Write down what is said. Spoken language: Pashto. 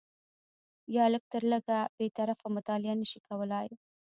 یا لږ تر لږه بې طرفه مطالعه نه شي کولای